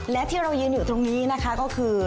และที่เรายืนอยู่ตรงนี้นะคะก็คือ